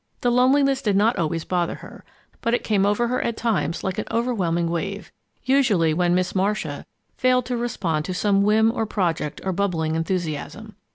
The loneliness did not always bother her, but it came over her at times like an overwhelming wave, usually when Miss Marcia failed to respond to some whim or project or bubbling enthusiasm.